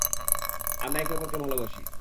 আমরা একে অপরকে ভালোবাসি।